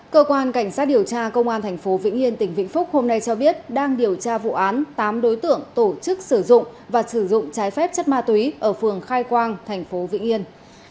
cơ quan cảnh sát điều tra công an thành phố vĩnh yên tỉnh vĩnh phúc hôm nay cho biết đang điều tra vụ án tám đối tượng tổ chức sử dụng và sử dụng trái phép chất ma túy ở phường khai quang thành phố vĩnh yên